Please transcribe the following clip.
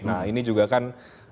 nah ini juga kan